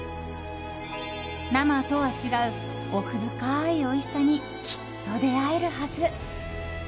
生とは違う奥深いおいしさにきっと出会えるはず。